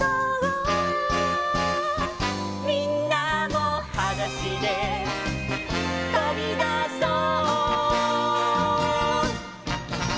「みんなもはだしでとびだそう」